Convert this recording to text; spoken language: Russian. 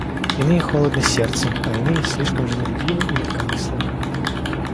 Иные холодны сердцем, а иные слишком женолюбивы и легкомысленны.